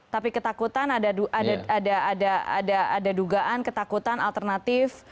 tapi ketakutan ada dugaan ketakutan alternatif